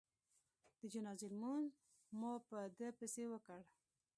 د جنازې لمونځ مو په ده پسې وکړ.